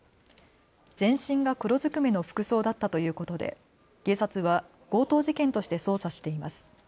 全身が黒ずくめの服装だったということで警察は強盗事件として捜査しています。